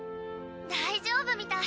大丈夫みたい。